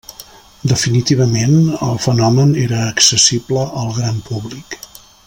Definitivament el fenomen era accessible al gran públic.